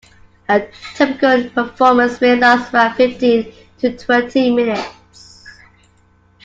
A typical performance may last around fifteen to twenty minutes.